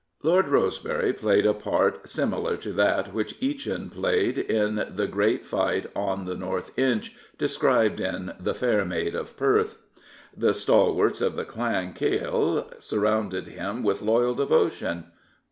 Lord Rosebery played a part similar to that which Eachin played in the great fight on the North Inch described in The Fair Maid of Perth. The Stal warts of the Clan Quhele surrounded him with loyal devotion.